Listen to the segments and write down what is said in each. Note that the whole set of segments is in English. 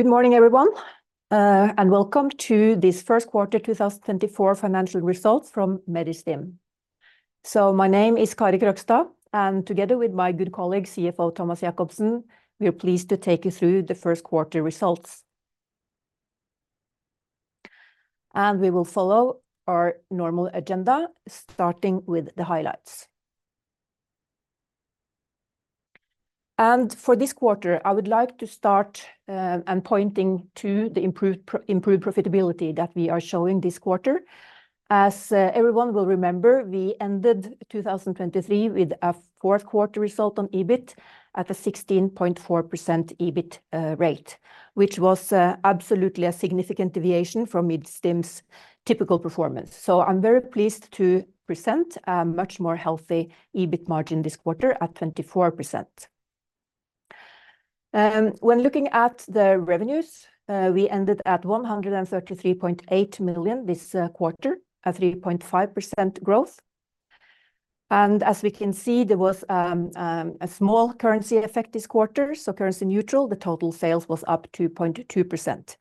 Good morning everyone, and welcome to this first quarter 2024 financial results from Medistim. My name is Kari Krogstad, and together with my good colleague CFO Thomas Jakobsen, we're pleased to take you through the first quarter results. We will follow our normal agenda, starting with the highlights. For this quarter I would like to start, and pointing to the improved profitability that we are showing this quarter. As everyone will remember, we ended 2023 with a fourth quarter result on EBIT at a 16.4% EBIT rate, which was absolutely a significant deviation from Medistim's typical performance. I'm very pleased to present a much more healthy EBIT margin this quarter at 24%. When looking at the revenues, we ended at 133.8 million this quarter, a 3.5% growth. As we can see, there was a small currency effect this quarter, so currency neutral, the total sales was up 2.2%,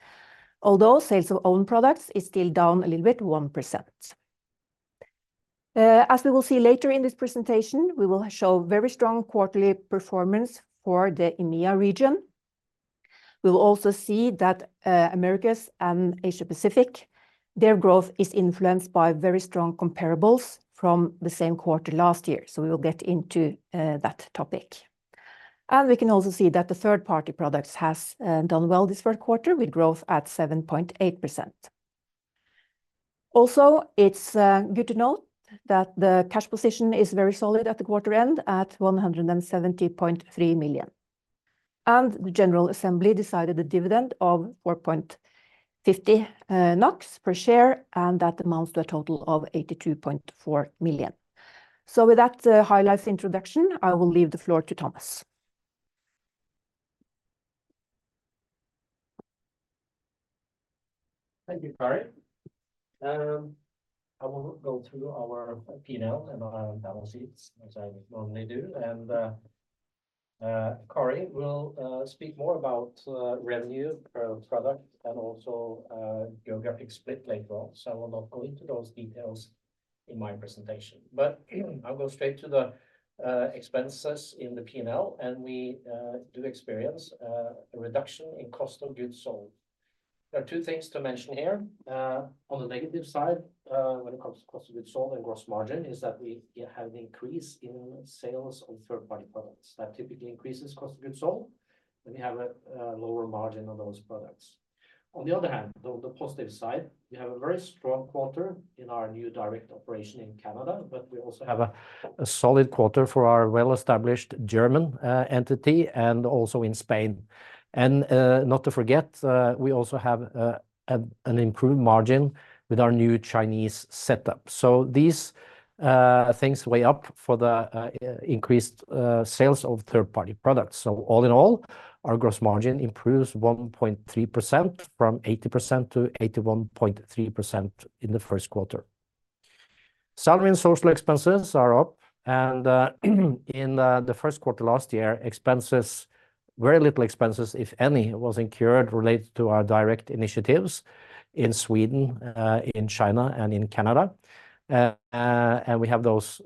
although sales of own products is still down a little bit, 1%. As we will see later in this presentation, we will show very strong quarterly performance for the EMEA region. We will also see that Americas and Asia Pacific their growth is influenced by very strong comparables from the same quarter last year, so we will get into that topic. We can also see that the third-party products has done well this first quarter with growth at 7.8%. Also, it's good to note that the cash position is very solid at the quarter end at 170.3 million. The General Assembly decided the dividend of 4.50 NOK per share, and that amounts to a total of 82.4 million. So, with that highlights introduction, I will leave the floor to Thomas. Thank you, Kari. I will go through our P&L and our balance sheets, as I normally do, and Kari will speak more about revenue, product, and also geographic split later on, so I will not go into those details in my presentation. But I'll go straight to the expenses in the P&L, and we do experience a reduction in cost of goods sold. There are two things to mention here. On the negative side, when it comes to cost of goods sold and gross margin, is that we have an increase in sales of third-party products. That typically increases cost of goods sold when you have a lower margin on those products. On the other hand, on the positive side, we have a very strong quarter in our new direct operation in Canada, but we also have a solid quarter for our well-established German entity and also in Spain. Not to forget, we also have an improved margin with our new Chinese setup. So these things weigh up for the increased sales of third-party products. So all in all, our gross margin improves 1.3% from 80% to 81.3% in the first quarter. Salary and social expenses are up, and in the first quarter last year, expenses, very little expenses if any, were incurred related to our direct initiatives in Sweden, in China, and in Canada. And we have those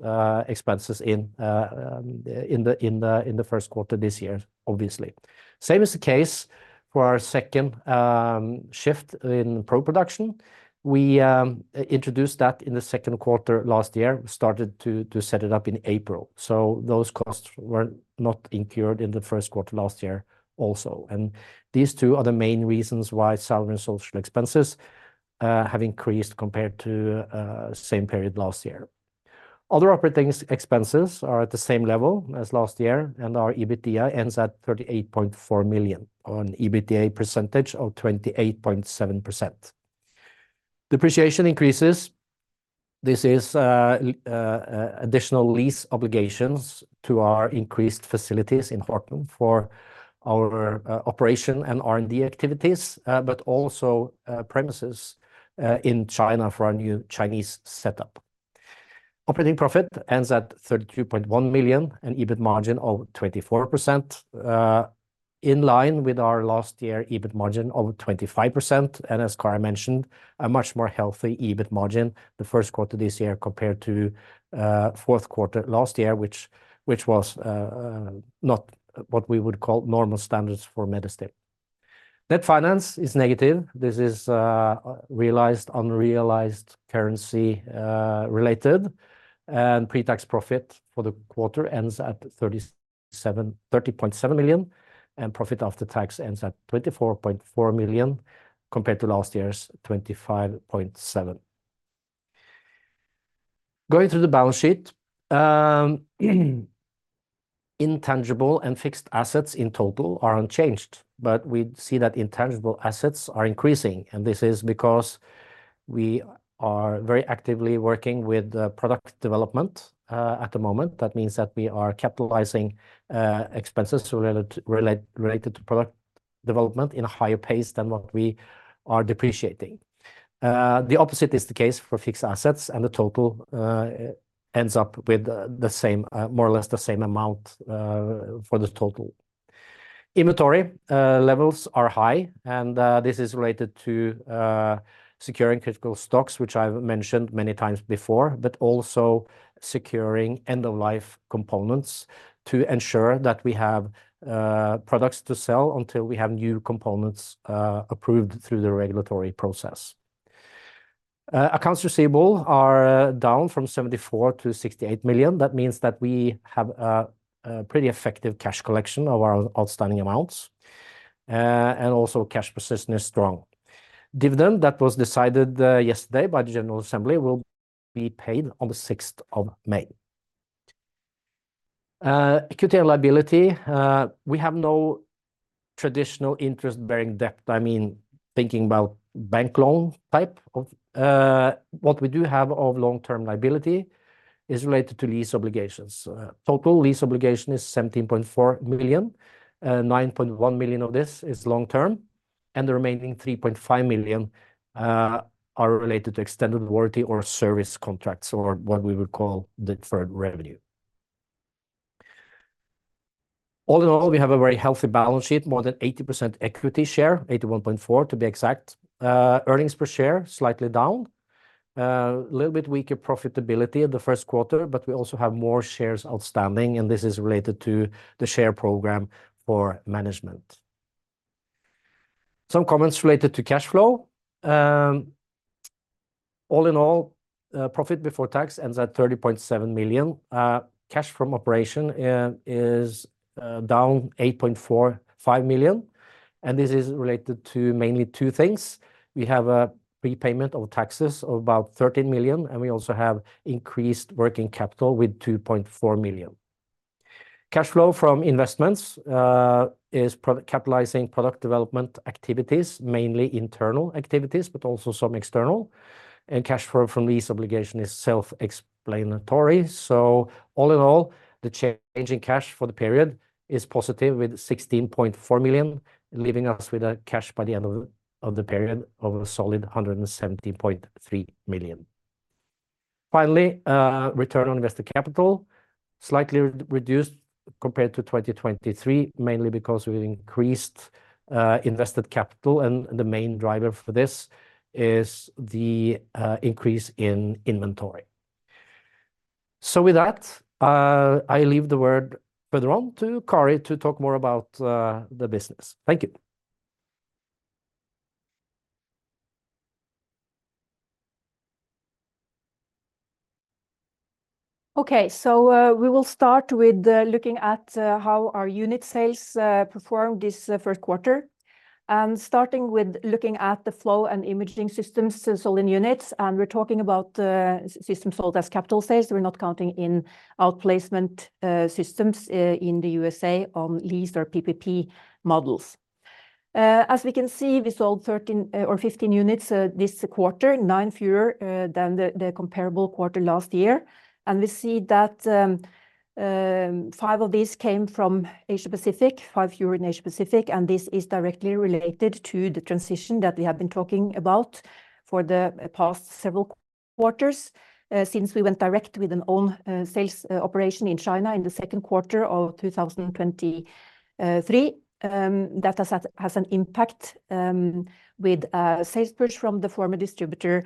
expenses in the first quarter this year, obviously. Same is the case for our second shift in production. We introduced that in the second quarter last year, started to set it up in April, so those costs were not incurred in the first quarter last year also. These two are the main reasons why salary and social expenses have increased compared to same period last year. Other operating expenses are at the same level as last year, and our EBITDA ends at 38.4 million, or an EBITDA percentage of 28.7%. Depreciation increases. This is additional lease obligations to our increased facilities in Horten for our operations and R&D activities, but also premises in China for our new Chinese setup. Operating profit ends at 32.1 million, an EBIT margin of 24%, in line with our last year EBIT margin of 25%, and as Kari mentioned, a much more healthy EBIT margin the first quarter this year compared to fourth quarter last year, which was not what we would call normal standards for Medistim. Net finance is negative. This is realized, unrealized, currency-related, and pre-tax profit for the quarter ends at 37.7 million, and profit after tax ends at 24.4 million compared to last year's 25.7 million. Going through the balance sheet, intangible and fixed assets in total are unchanged, but we see that intangible assets are increasing, and this is because we are very actively working with the product development, at the moment. That means that we are capitalizing expenses related to product development in a higher pace than what we are depreciating. The opposite is the case for fixed assets, and the total ends up with the same, more or less the same amount, for the total. Inventory levels are high, and this is related to securing critical stocks, which I've mentioned many times before, but also securing end-of-life components to ensure that we have products to sell until we have new components approved through the regulatory process. Accounts receivable are down from 74 million-68 million. That means that we have a pretty effective cash collection of our outstanding amounts, and also cash position is strong. Dividend that was decided yesterday by the General Assembly will be paid on the 6th of May. Equity and liability, we have no traditional interest-bearing debt. I mean, thinking about bank loan type of, what we do have of long-term liability is related to lease obligations. Total lease obligation is 17.4 million. 9.1 million of this is long-term, and the remaining 3.5 million are related to extended warranty or service contracts, or what we would call deferred revenue. All in all, we have a very healthy balance sheet, more than 80% equity share, 81.4% to be exact, earnings per share slightly down, a little bit weaker profitability in the first quarter, but we also have more shares outstanding, and this is related to the share program for management. Some comments related to cash flow. All in all, profit before tax ends at 30.7 million. Cash from operation is down 8.45 million, and this is related to mainly two things. We have a prepayment of taxes of about 13 million, and we also have increased working capital with 2.4 million. Cash flow from investments is capitalizing product development activities, mainly internal activities, but also some external, and cash flow from lease obligation is self-explanatory. So all in all, the change in cash for the period is positive with 16.4 million, leaving us with cash by the end of the period of a solid 170.3 million. Finally, return on invested capital, slightly reduced compared to 2023, mainly because we've increased invested capital, and the main driver for this is the increase in inventory. So with that, I leave the word further on to Kari to talk more about the business. Thank you. Okay, so we will start with looking at how our unit sales performed this first quarter. And starting with looking at the flow and imaging systems sold in units, and we're talking about systems sold as capital sales. We're not counting in outplacement systems in the U.S.A on lease or PPP models. As we can see, we sold 13 or 15 units this quarter, 9 fewer than the comparable quarter last year. And we see that 5 of these came from Asia Pacific, 5 fewer in Asia Pacific, and this is directly related to the transition that we have been talking about for the past several quarters, since we went direct with an own sales operation in China in the second quarter of 2023. That has had an impact, with a sales push from the former distributor,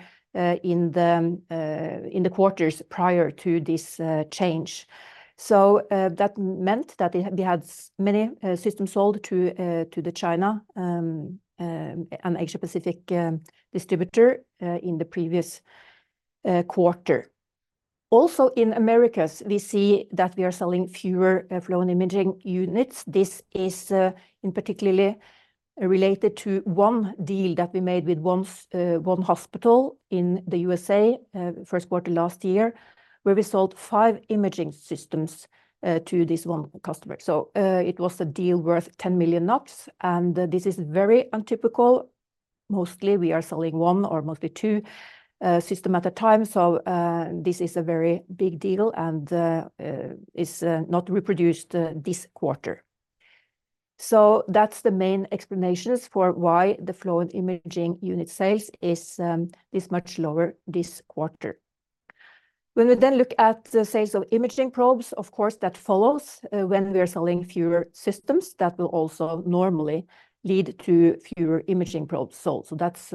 in the quarters prior to this change. So, that meant that we had many systems sold to the China and Asia Pacific distributor in the previous quarter. Also in Americas, we see that we are selling fewer flow and imaging units. This is in particular related to one deal that we made with one hospital in the U.S.A, first quarter last year, where we sold 5 imaging systems to this one customer. So, it was a deal worth 10 million NOK, and this is very untypical. Mostly we are selling one or mostly two systems at a time, so this is a very big deal and is not reproduced this quarter. So that's the main explanations for why the flow and imaging unit sales is this much lower this quarter. When we then look at the sales of imaging probes, of course that follows when we are selling fewer systems that will also normally lead to fewer imaging probes sold. So that's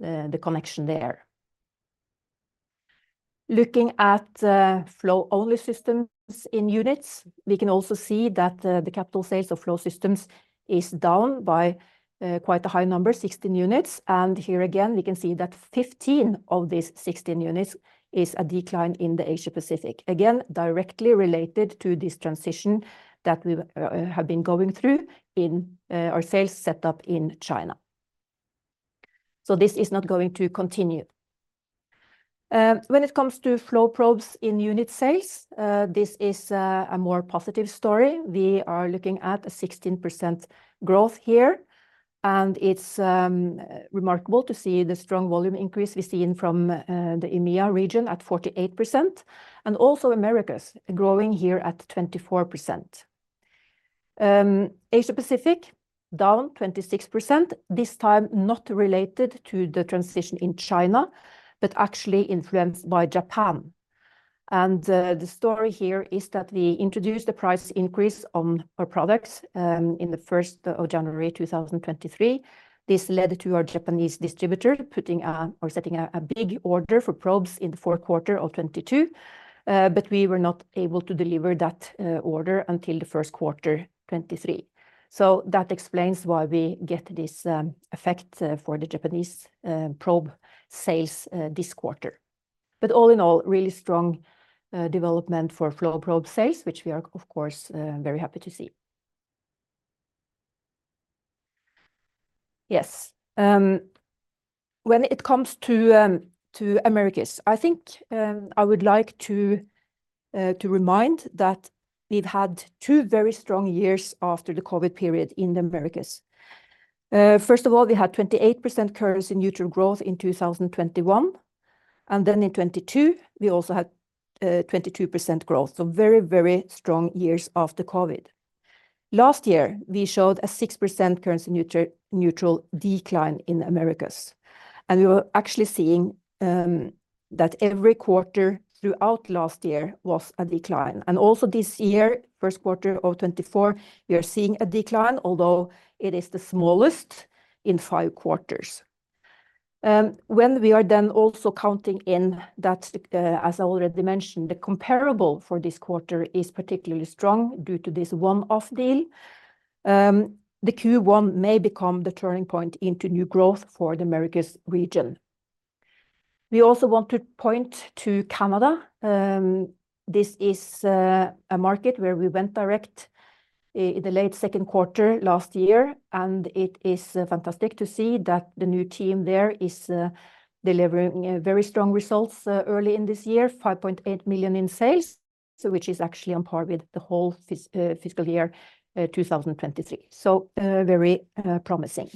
the connection there. Looking at flow-only systems in units, we can also see that the capital sales of flow systems is down by quite a high number, 16 units, and here again we can see that 15 of these 16 units is a decline in the Asia Pacific, again directly related to this transition that we have been going through in our sales setup in China. So this is not going to continue. When it comes to flow probes in unit sales, this is a more positive story. We are looking at 16% growth here, and it's remarkable to see the strong volume increase we see in the EMEA region at 48%, and also Americas growing here at 24%. Asia Pacific down 26%, this time not related to the transition in China, but actually influenced by Japan. The story here is that we introduced a price increase on our products in the first of January 2023. This led to our Japanese distributor putting or setting a big order for probes in the fourth quarter of 2022, but we were not able to deliver that order until the first quarter of 2023. So that explains why we get this effect for the Japanese probe sales this quarter. But all in all, really strong development for flow probe sales, which we are of course very happy to see. Yes. When it comes to Americas, I think I would like to remind that we've had two very strong years after the COVID period in the Americas. First of all, we had 28% currency neutral growth in 2021, and then in 2022, we also had 22% growth. So very, very strong years after COVID. Last year, we showed a 6% currency neutral decline in Americas. And we were actually seeing that every quarter throughout last year was a decline. And also this year, first quarter of 2024, we are seeing a decline, although it is the smallest in five quarters. When we are then also counting in that, as I already mentioned, the comparable for this quarter is particularly strong due to this one-off deal, the Q1 may become the turning point into new growth for the Americas region. We also want to point to Canada. This is a market where we went direct in the late second quarter last year, and it is fantastic to see that the new team there is delivering very strong results early in this year, 5.8 million in sales, which is actually on par with the whole fiscal year 2023. So very promising.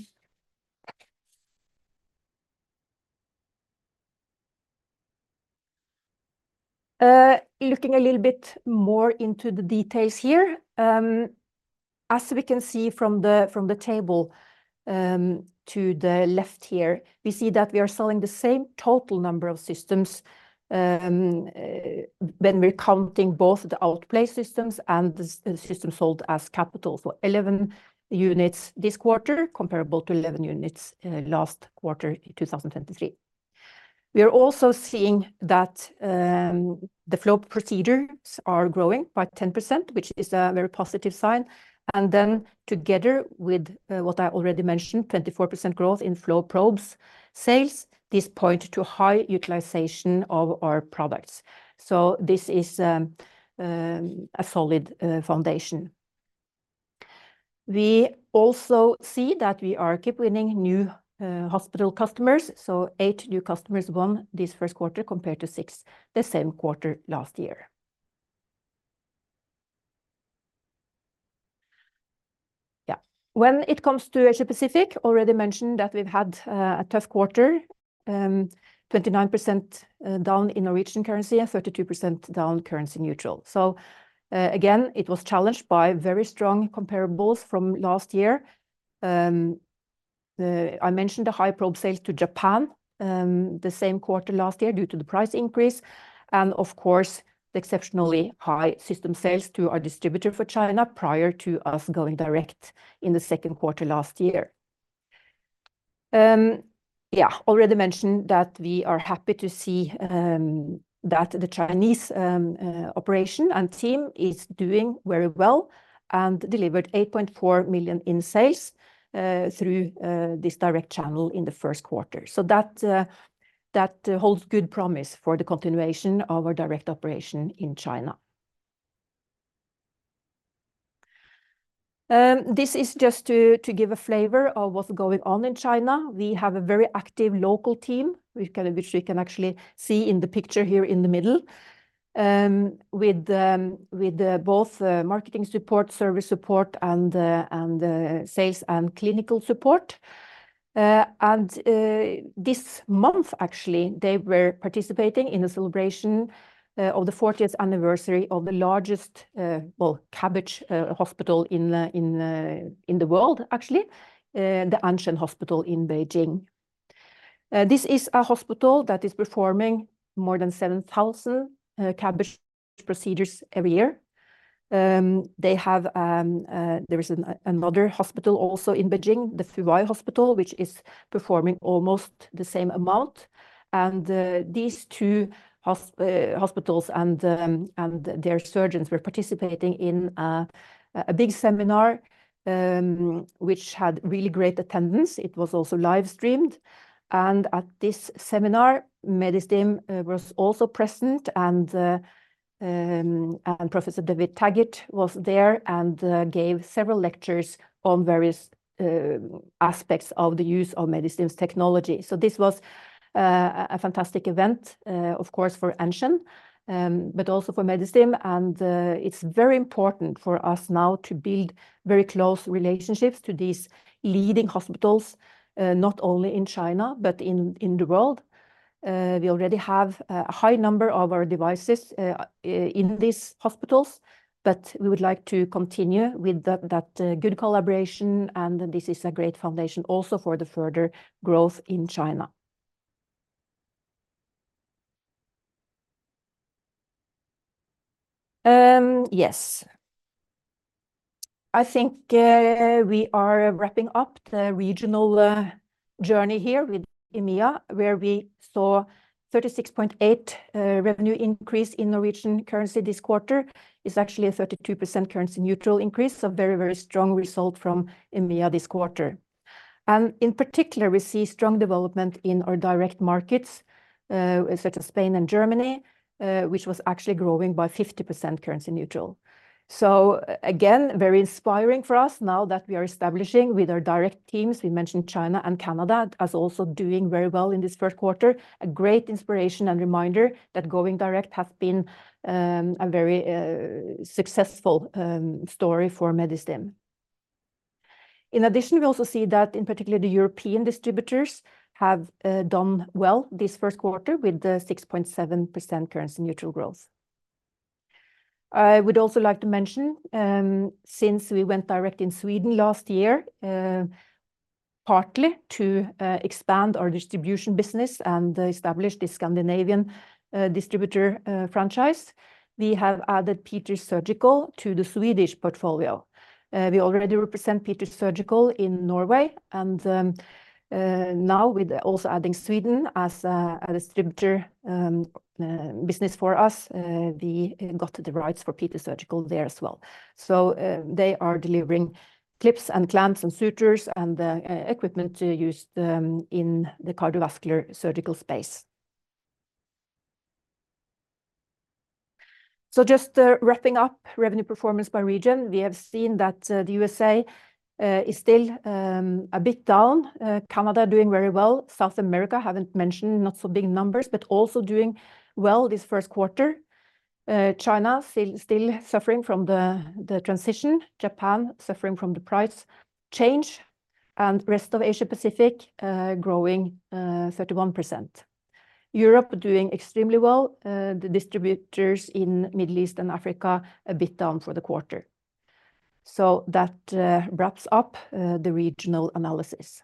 Looking a little bit more into the details here. As we can see from the table to the left here, we see that we are selling the same total number of systems when we're counting both the outplaced systems and the systems sold as capital. So 11 units this quarter, comparable to 11 units last quarter in 2023. We are also seeing that the flow procedures are growing by 10%, which is a very positive sign. And then together with what I already mentioned, 24% growth in flow probes sales, this points to high utilization of our products. So this is a solid foundation. We also see that we are keeping winning new hospital customers, so eight new customers won this first quarter compared to six, the same quarter last year. Yeah. When it comes to Asia Pacific, I already mentioned that we've had a tough quarter, 29% down in Norwegian currency and 32% down currency neutral. So again, it was challenged by very strong comparables from last year. I mentioned the high probe sales to Japan the same quarter last year due to the price increase, and of course the exceptionally high system sales to our distributor for China prior to us going direct in the second quarter last year. Yeah, I already mentioned that we are happy to see that the Chinese operation and team is doing very well and delivered 8.4 million in sales through this direct channel in the first quarter. So that holds good promise for the continuation of our direct operation in China. This is just to give a flavor of what's going on in China. We have a very active local team, which we can actually see in the picture here in the middle, with both marketing support, service support, and sales and clinical support. And this month, actually, they were participating in the celebration of the 40th anniversary of the largest, well, CABG hospital in the world, actually, the Anzhen Hospital in Beijing. This is a hospital that is performing more than 7,000 CABG procedures every year. There is another hospital also in Beijing, the Fuwai Hospital, which is performing almost the same amount. These two hospitals and their surgeons were participating in a big seminar, which had really great attendance. It was also live-streamed. At this seminar, Medistim was also present, and Professor David Taggart was there and gave several lectures on various aspects of the use of Medistim's technology. This was a fantastic event, of course, for Anzhen, but also for Medistim. It's very important for us now to build very close relationships to these leading hospitals, not only in China, but in the world. We already have a high number of our devices in these hospitals, but we would like to continue with that good collaboration, and this is a great foundation also for the further growth in China. Yes. I think we are wrapping up the regional journey here with EMEA, where we saw a 36.8% revenue increase in Norwegian currency this quarter. It's actually a 32% currency neutral increase, a very, very strong result from EMEA this quarter. In particular, we see strong development in our direct markets, such as Spain and Germany, which was actually growing by 50% currency neutral. So again, very inspiring for us now that we are establishing with our direct teams. We mentioned China and Canada as also doing very well in this first quarter, a great inspiration and reminder that going direct has been a very successful story for Medistim. In addition, we also see that in particular the European distributors have done well this first quarter with the 6.7% currency neutral growth. I would also like to mention, since we went direct in Sweden last year, partly to expand our distribution business and establish the Scandinavian distributor franchise, we have added Peters Surgical to the Swedish portfolio. We already represent Peters Surgical in Norway, and now with also adding Sweden as a distributor business for us, we got the rights for Peters Surgical there as well. So they are delivering clips and clamps and sutures and equipment used in the cardiovascular surgical space. So just wrapping up revenue performance by region, we have seen that the U.S.A is still a bit down, Canada doing very well, South America haven't mentioned not so big numbers, but also doing well this first quarter, China still suffering from the transition, Japan suffering from the price change, and the rest of Asia Pacific growing 31%. Europe doing extremely well, the distributors in the Middle East and Africa a bit down for the quarter. So that wraps up the regional analysis.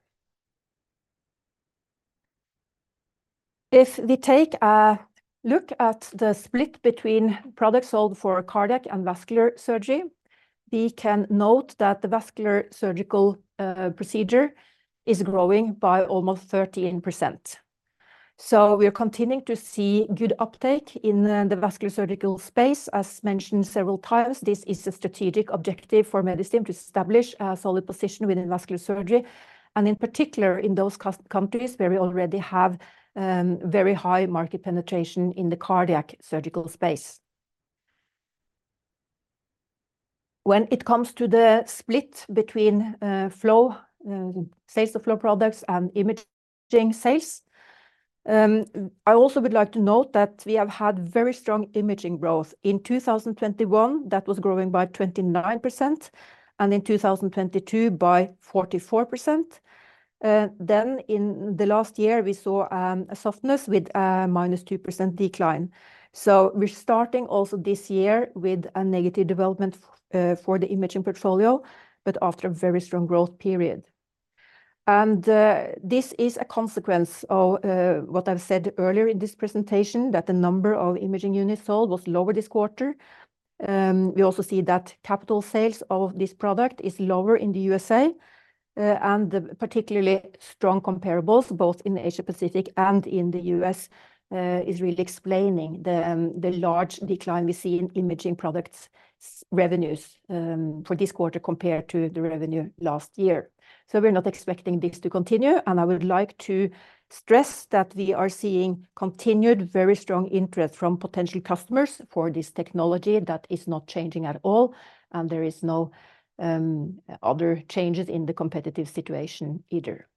If we take a look at the split between products sold for cardiac and vascular surgery, we can note that the vascular surgical procedure is growing by almost 13%. So we are continuing to see good uptake in the vascular surgical space. As mentioned several times, this is a strategic objective for Medistim to establish a solid position within vascular surgery, and in particular in those countries where we already have very high market penetration in the cardiac surgical space. When it comes to the split between flow sales of flow products and imaging sales, I also would like to note that we have had very strong imaging growth. In 2021, that was growing by 29%, and in 2022 by 44%. Then in the last year, we saw a softness with a -2% decline. So we're starting also this year with a negative development for the imaging portfolio, but after a very strong growth period. And this is a consequence of what I've said earlier in this presentation, that the number of imaging units sold was lower this quarter. We also see that capital sales of this product is lower in the U.S.A, and the particularly strong comparables, both in Asia Pacific and in the U.S., is really explaining the large decline we see in imaging products revenues for this quarter compared to the revenue last year. So we're not expecting this to continue, and I would like to stress that we are seeing continued very strong interest from potential customers for this technology that is not changing at all, and there are no other changes in the competitive situation either.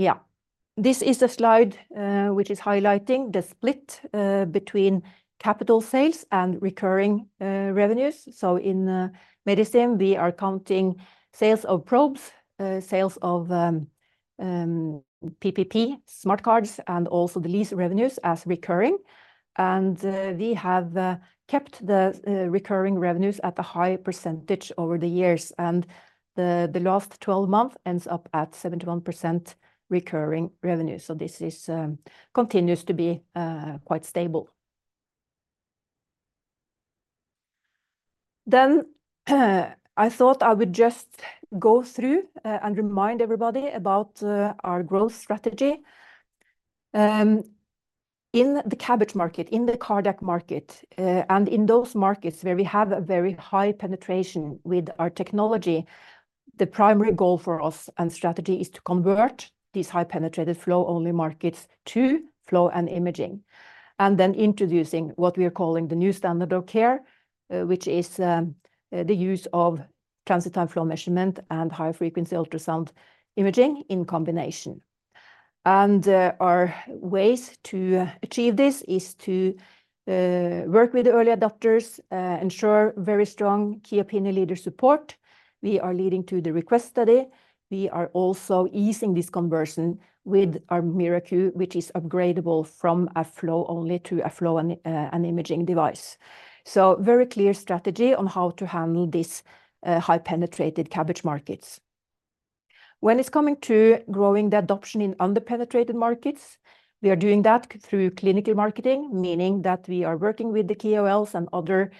Yeah, this is a slide which is highlighting the split between capital sales and recurring revenues. So in Medistim, we are counting sales of probes, sales of PPP, smart cards, and also the lease revenues as recurring. And we have kept the recurring revenues at a high percentage over the years, and the last 12 months end up at 71% recurring revenue. So this continues to be quite stable. Then I thought I would just go through and remind everybody about our growth strategy. In the CABG market, in the cardiac market, and in those markets where we have a very high penetration with our technology, the primary goal for us and strategy is to convert these high-penetrated flow-only markets to flow and imaging. And then introducing what we are calling the new standard of care, which is the use of transit time flow measurement and high-frequency ultrasound imaging in combination. And our ways to achieve this are to work with the early adopters, ensure very strong key opinion leader support. We are leading the REQUEST Study. We are also easing this conversion with our MiraQ, which is upgradable from a flow-only to a flow and imaging device. So a very clear strategy on how to handle these high-penetrated CABG markets. When it's coming to growing the adoption in under-penetrated markets, we are doing that through clinical marketing, meaning that we are working with the KOLs and other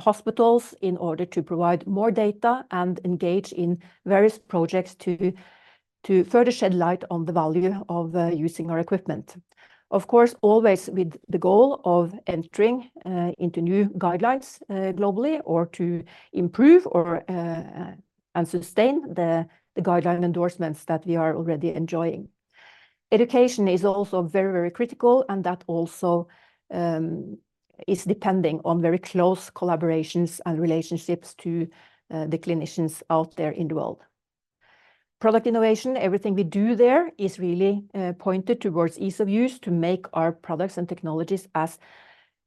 hospitals in order to provide more data and engage in various projects to further shed light on the value of using our equipment. Of course, always with the goal of entering into new guidelines globally or to improve and sustain the guideline endorsements that we are already enjoying. Education is also very, very critical, and that also is depending on very close collaborations and relationships to the clinicians out there in the world. Product innovation, everything we do there is really pointed towards ease of use to make our products and technologies as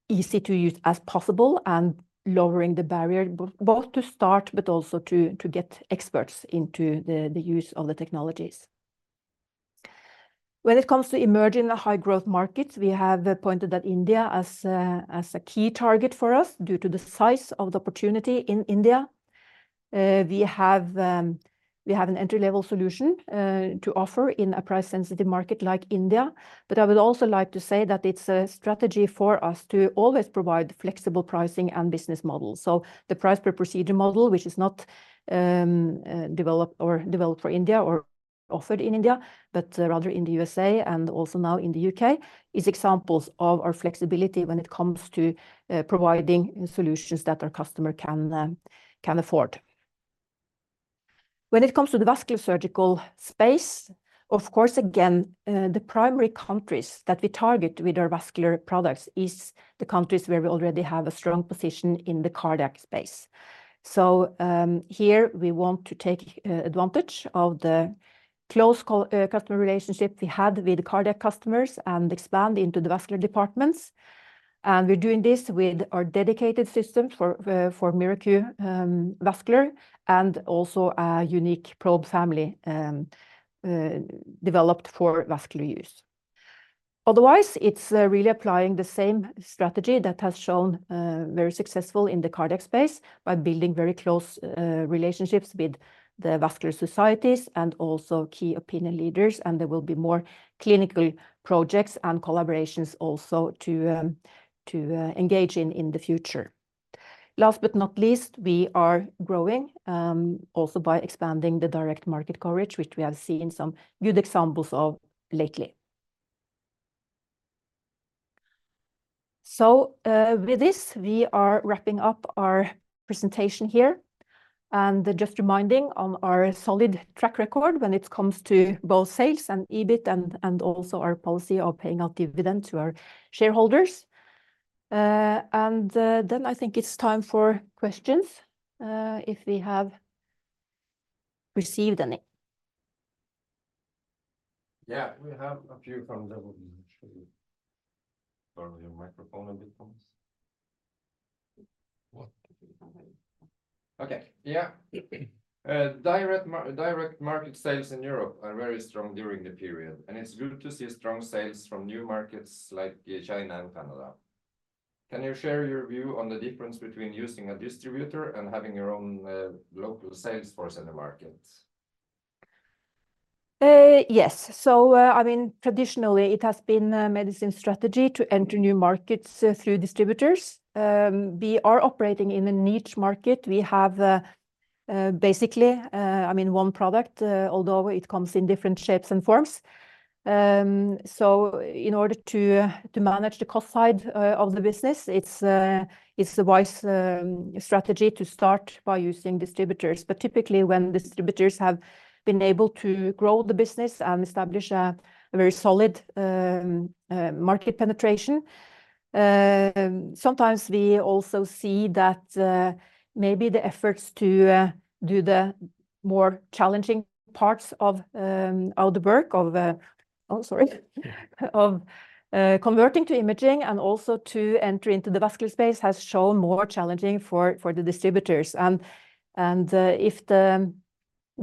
easy to use as possible and lowering the barrier both to start but also to get experts into the use of the technologies. When it comes to emerging high-growth markets, we have pointed out India as a key target for us due to the size of the opportunity in India. We have an entry-level solution to offer in a price-sensitive market like India, but I would also like to say that it's a strategy for us to always provide flexible pricing and business models. So the price-per-procedure model, which is not developed for India or offered in India, but rather in the U.S.A. and also now in the U.K., is examples of our flexibility when it comes to providing solutions that our customer can afford. When it comes to the vascular surgical space, of course, again, the primary countries that we target with our vascular products are the countries where we already have a strong position in the cardiac space. So, here we want to take advantage of the close customer relationship we had with the cardiac customers and expand into the vascular departments. We're doing this with our dedicated system for MiraQ Vascular and also a unique probe family, developed for vascular use. Otherwise, it's really applying the same strategy that has shown very successfully in the cardiac space by building very close relationships with the vascular societies and also key opinion leaders, and there will be more clinical projects and collaborations also to engage in the future. Last but not least, we are growing, also by expanding the direct market coverage, which we have seen some good examples of lately. With this, we are wrapping up our presentation here. Just reminding on our solid track record when it comes to both sales and EBIT and and also our policy of paying out dividend to our shareholders. Then I think it's time for questions, if we have received any. Yeah, we have a few from the... Turn your microphone a bit for us. What? Okay, yeah. Direct direct market sales in Europe are very strong during the period, and it's good to see strong sales from new markets like China and Canada. Can you share your view on the difference between using a distributor and having your own, local salesforce in the market? Yes, so, I mean, traditionally it has been a Medistim strategy to enter new markets through distributors. We are operating in a niche market. We have, basically, I mean, one product, although it comes in different shapes and forms. So in order to manage the cost side of the business, it's a wise strategy to start by using distributors. But typically, when distributors have been able to grow the business and establish a very solid market penetration, sometimes we also see that maybe the efforts to do the more challenging parts of the work of converting to imaging and also to enter into the vascular space have shown more challenging for the distributors. And if the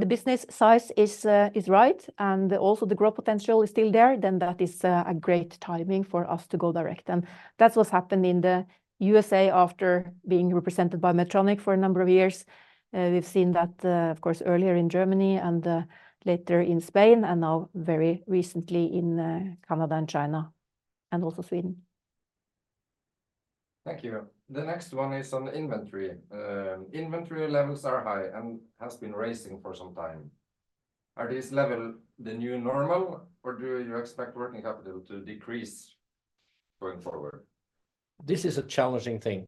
business size is right and also the growth potential is still there, then that is a great timing for us to go direct. And that's what's happened in the U.S.A after being represented by Medtronic for a number of years. We've seen that, of course, earlier in Germany and later in Spain and now very recently in Canada and China and also Sweden. Thank you. The next one is on inventory. Inventory levels are high and have been rising for some time. Are these levels the new normal or do you expect working capital to decrease going forward? This is a challenging thing.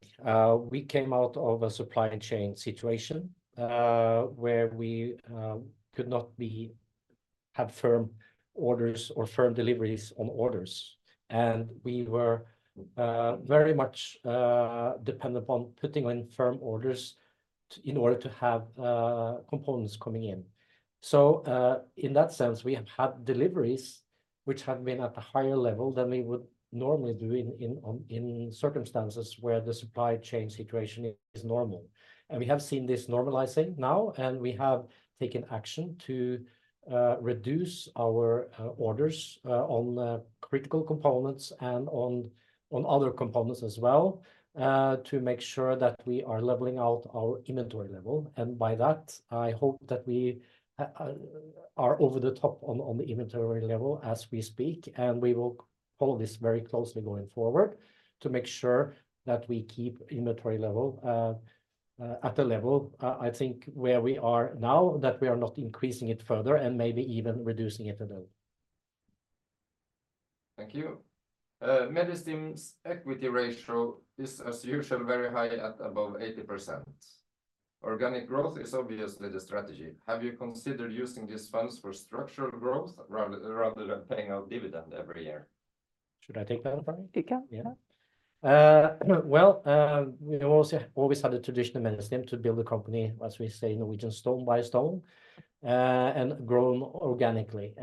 We came out of a supply chain situation, where we could not have firm orders or firm deliveries on orders. And we were very much dependent upon putting in firm orders in order to have components coming in. So, in that sense, we have had deliveries which have been at a higher level than we would normally do in circumstances where the supply chain situation is normal. And we have seen this normalizing now, and we have taken action to reduce our orders on critical components and on other components as well, to make sure that we are leveling out our inventory level. And by that, I hope that we are over the top on the inventory level as we speak. And we will follow this very closely going forward to make sure that we keep inventory level at the level I think where we are now, that we are not increasing it further and maybe even reducing it a little. Thank you. Medistim's equity ratio is, as usual, very high at above 80%. Organic growth is obviously the strategy. Have you considered using these funds for structural growth rather than paying out dividend every year? Should I take that, sorry? You can, yeah. Well, we also always had a tradition in Medistim to build a company, as we say in Norwegian, stone by stone, and grown organically.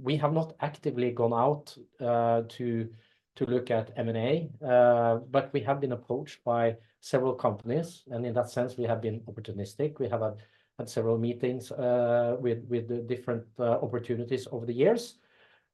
We have not actively gone out to look at M&A, but we have been approached by several companies, and in that sense, we have been opportunistic. We have had several meetings with the different opportunities over the years.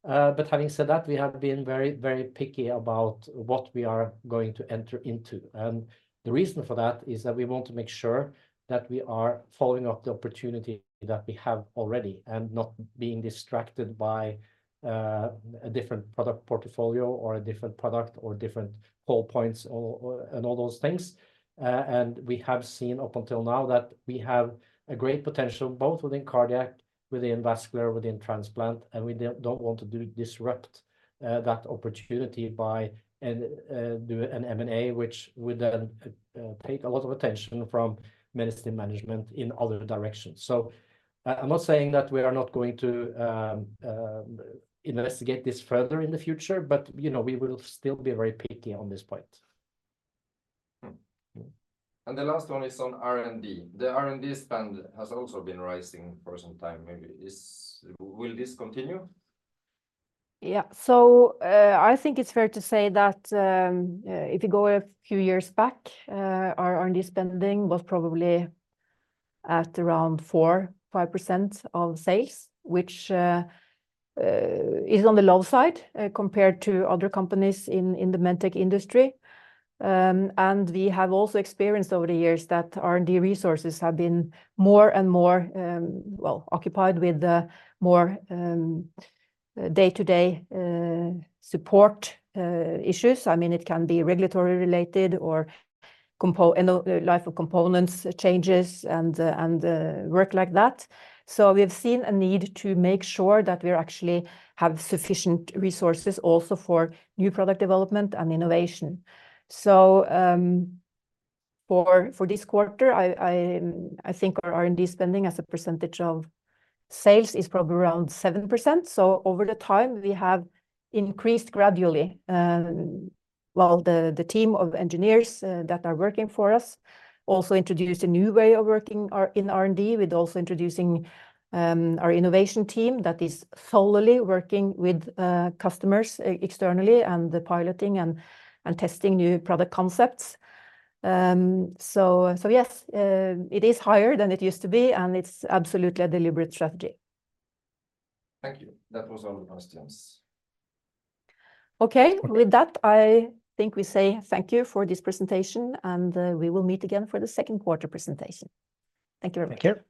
But having said that, we have been very picky about what we are going to enter into. And the reason for that is that we want to make sure that we are following up the opportunity that we have already and not being distracted by a different product portfolio or a different product or different call points or and all those things. We have seen up until now that we have a great potential both within cardiac, within vascular, within transplant, and we don't want to disrupt that opportunity by doing an M&A which would then take a lot of attention from Medistim management in other directions. So, I'm not saying that we are not going to investigate this further in the future, but you know we will still be very picky on this point. And the last one is on R&D. The R&D spend has also been rising for some time. Maybe will this continue? Yeah, so, I think it's fair to say that, if you go a few years back, our R&D spending was probably at around 4%-5% of sales, which is on the low side compared to other companies in the medtech industry. And we have also experienced over the years that R&D resources have been more and more, well, occupied with more day-to-day support issues. I mean, it can be regulatory related or life of components changes and work like that. So we've seen a need to make sure that we actually have sufficient resources also for new product development and innovation. So, for this quarter, I think our R&D spending as a percentage of sales is probably around 7%. So over the time, we have increased gradually. Well, the team of engineers that are working for us also introduced a new way of working in R&D. We're also introducing our innovation team that is solely working with customers externally and piloting and testing new product concepts. So yes, it is higher than it used to be, and it's absolutely a deliberate strategy. Thank you. That was all the questions. Okay, with that, I think we say thank you for this presentation, and we will meet again for the second quarter presentation. Thank you very much. Take care.